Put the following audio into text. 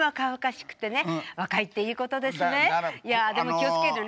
いやでも気を付けてね。